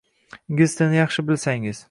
Ingliz tilini yaxshir bilsangiz